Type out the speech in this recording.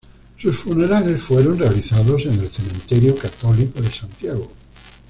Sus funerales fueron realizados en el Cementerio Católico de Santiago.